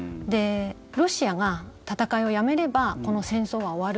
ロシアが戦いをやめればこの戦争は終わる。